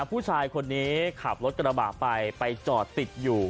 ผู้ชายคนนี้ขับรถกระบะไปไปจอดติดอยู่